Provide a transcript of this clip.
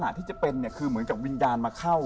ลักษณะที่จะเป็นคือเหมือนกับวิญญาณมาเข้า